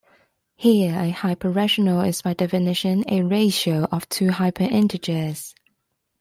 Here a hyperrational is by definition a ratio of two hyperintegers.